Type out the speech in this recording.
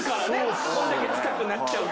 こんだけ近くなっちゃうと。